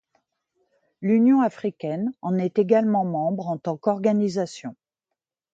L'Union africaine en est également membre en tant qu'organisation.